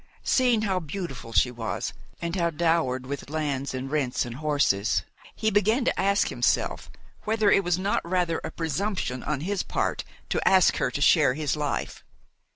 Seeing how beautiful she was, and how dowered with lands and rents and horses, he began to ask himself whether it was not rather a presumption on his part to ask her to share his life.